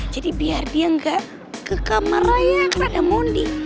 jadi biar dia gak ke kamar raya karena ada mondi